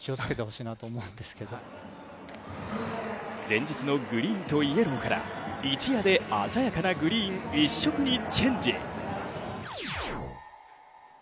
前日のグリーンとイエローから一夜で鮮やかなグリーン一色にチェンジ。